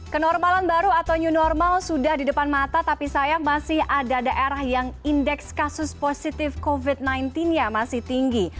kenormalan baru atau new normal sudah di depan mata tapi sayang masih ada daerah yang indeks kasus positif covid sembilan belas nya masih tinggi